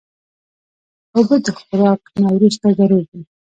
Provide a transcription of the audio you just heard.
اوبه د خوراک نه وروسته ضرور دي.